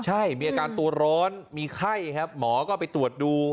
ใช่มีอาการตัวร้อนมีไข้ครับหมอก็ไปตรวจดู